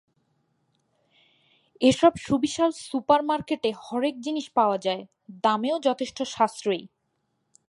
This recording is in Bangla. এসব সুবিশাল সুপার মার্কেটে হরেক জিনিস পাওয়া যায়, দামেও যথেষ্ট সাশ্রয়ী।